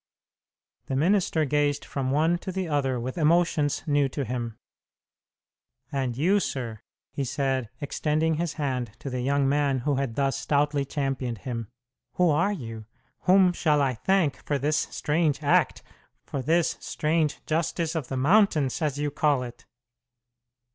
The minister gazed from one to the other with emotions new to him. "And you, sir," he said, extending his hand to the young man who had thus stoutly championed him, "who are you? Whom shall I thank for this strange act for this strange justice of the mountains, as you call it?"